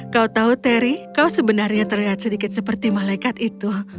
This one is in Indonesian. kau tahu terry kau sebenarnya terlihat sedikit seperti malaikat itu